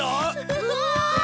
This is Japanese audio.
うわ！